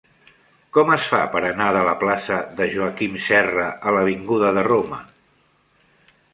Com es fa per anar de la plaça de Joaquim Serra a l'avinguda de Roma?